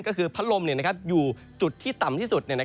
ก็คือพัดลมอยู่จุดที่ต่ำที่สุด